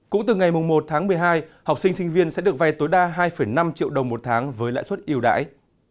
cũng từ ngày một tháng một mươi hai học sinh sinh viên sẽ được vay tối đa hai năm triệu đồng một tháng với lãi suất yêu đáy